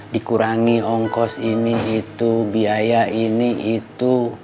dikurangi ongkos ini itu biaya ini itu